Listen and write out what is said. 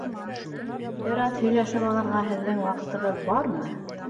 Бер аҙ һөйләшеп алырға һеҙҙең ваҡытығыҙ бармы?